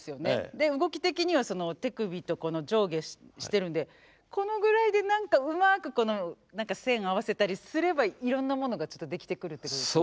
で動き的には手首とこの上下してるんでこのぐらいで何かうまく何か線合わせたりすればいろんなものがちょっとできてくるってことですね。